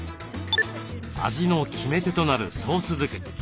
味の決め手となるソース作り。